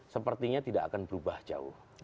sepertinya tidak akan berubah jauh